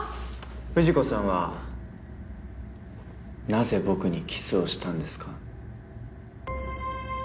藤子さんはなぜ僕にキスをしたんですか？